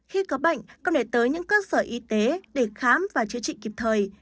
khi có bệnh con để tới những cơ sở y tế để khám và chữa trị kịp thời